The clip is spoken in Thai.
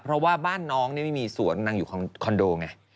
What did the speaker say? เพราะว่าบ้านน้องนี่ไม่มีสวนนางอยู่คอนโดไง